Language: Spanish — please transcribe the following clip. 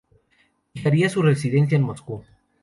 Fijaría su residencia en Moscú.